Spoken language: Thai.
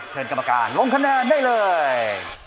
เชิญกรรมการลงคะแนนได้เลย